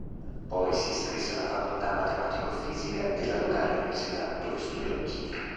Poi si iscrisse alla facoltà matematico-fisica della locale università, dove studiò chimica.